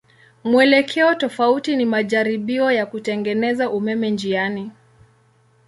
Mwelekeo tofauti ni majaribio ya kutengeneza umeme njiani.